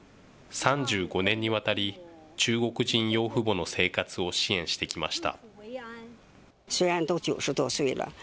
３５年にわたり、中国人養父母の生活を支援してきました。